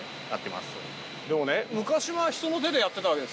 でもね昔は人の手でやってたわけですよね？